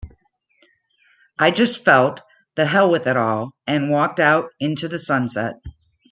I just felt 'the hell with it all' and walked out into the sunset.